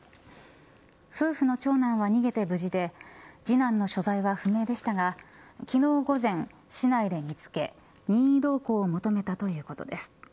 夫婦の長男は逃げて無事で次男の所在は不明でしたが昨日午前、市内で見つけ任意同行を求めたということです。